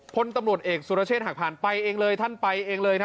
พลตำรวจเอกสุรเชษฐหักผ่านไปเองเลยท่านไปเองเลยนะ